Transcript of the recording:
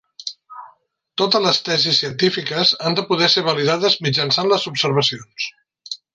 Totes les tesis científiques han de poder ser validades mitjançant les observacions.